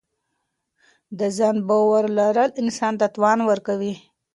د ځان باور لرل انسان ته توان ورکوي.